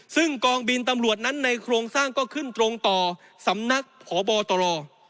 ซึ่งกองบินตำรวจนั้นในโครงสร้างก็ขึ้นตรงต่อสำนักพบตร